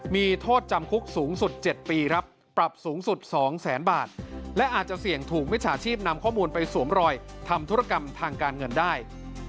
มีโทษจำคุกสูงสุด๗ปีครับปรับสูงสุด๒แสนบาทและอาจจะเสี่ยงถูกมิจฉาชีพนำข้อมูลไปสวมรอยทำธุรกรรมทางการเงินได้